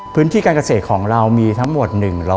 พื้นที่การเกษตรของเรามีทั้งหมด